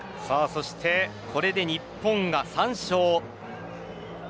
そして、これで日本が３勝。